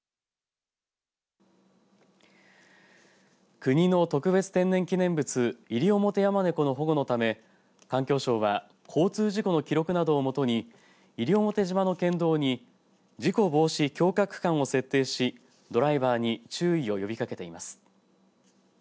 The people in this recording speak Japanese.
国の特別天然記念物イリオモテヤマネコの保護のため環境省は交通事故の記録などを基に西表島の県道に事故防止強化区間を設定しドライバーに注意を呼びかけています。